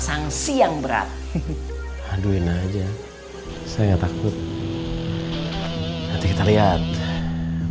tidak usah maksa maksa orang